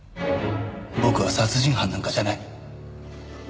僕は殺人犯なんかじゃない。